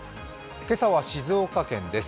今朝は静岡県です。